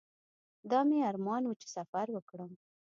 دا مې ارمان و چې سفر وکړم.